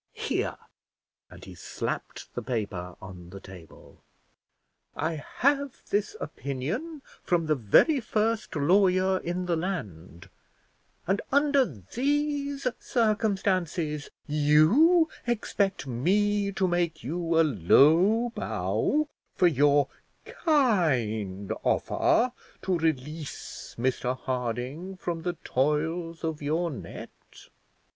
Here," and he slapped the paper on the table, "I have this opinion from the very first lawyer in the land; and under these circumstances you expect me to make you a low bow for your kind offer to release Mr Harding from the toils of your net!